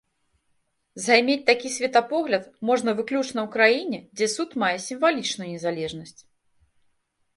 Займець такі светапогляд можна выключна ў краіне, дзе суд мае сімвалічную незалежнасць.